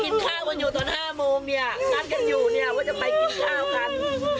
มันอยู่ตอน๕โมมเนี่ยนั่นกันอยู่เนี่ยว่าจะไปกินข้าวครัน